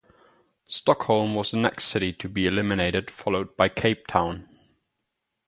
Stockholm was the next city to be eliminated followed by Cape Town.